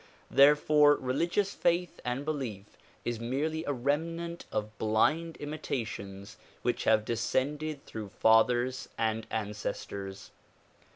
Therefore religious faith and belief is merely a remnant of blind imitations which have descended through fathers and ancestors.